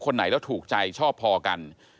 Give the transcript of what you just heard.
ไหนแล้วถูกใจชอบพอกัน